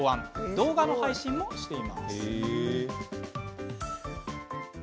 動画の配信もしています。